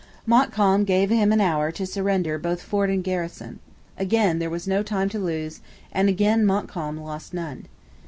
Montcalm gave him an hour to surrender both fort and garrison. Again there was no time to lose, and again Montcalm lost none.